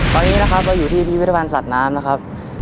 ตอนนี้นะครับก็อยู่ที่พิพิธภัณฑ์สัตว์น้ำนะครับ